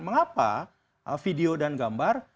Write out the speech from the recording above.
mengapa video dan gambar